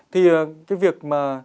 thì cái việc mà